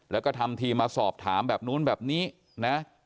แล้วก็ทำทีมาสอบถามแบบนู้นแบบนี้นะ